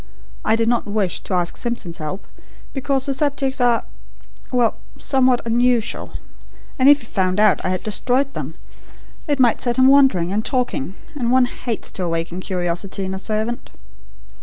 I did not wish to ask Simpson's help, because the subjects, are well, somewhat unusual, and if he found out I had destroyed them it might set him wondering and talking, and one hates to awaken curiosity in a servant.